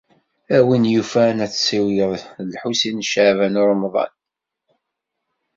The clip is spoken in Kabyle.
A win yufan, ad tessiwled ed Lḥusin n Caɛban u Ṛemḍan.